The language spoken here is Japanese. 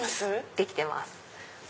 できてます。